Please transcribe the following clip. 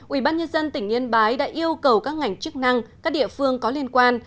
ubnd tỉnh yên bái đã yêu cầu các ngành chức năng các địa phương có liên quan